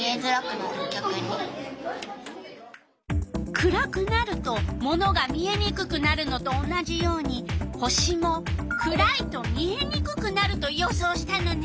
暗くなるとものが見えにくくなるのと同じように星も暗いと見えにくくなると予想したのね。